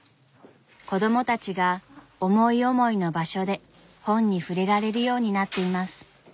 子供たちが思い思いの場所で本に触れられるようになっています。